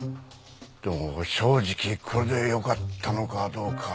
でも正直これでよかったのかどうか。